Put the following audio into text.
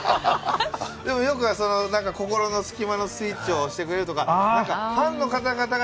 でもよく、心のスキマのスイッチを押してくれるとか、なんかファンの方々が。